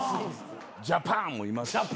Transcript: ジャパンもいますし。